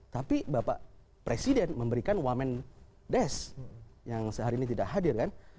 tapi bapak presiden memberikan wamen des yang sehari ini tidak hadir kan